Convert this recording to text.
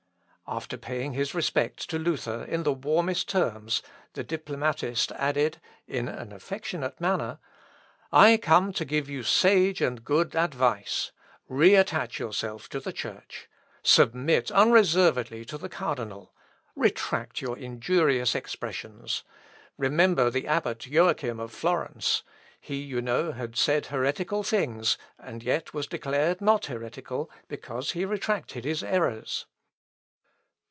After paying his respects to Luther in the warmest terms, the diplomatist added, in an affectionate manner, "I come to give you sage and good advice. Re attach yourself to the Church. Submit unreservedly to the cardinal. Retract your injurious expressions. Remember the Abbot Joachim of Florence. He, you know, had said heretical things, and yet was declared not heretical, because he retracted his errors."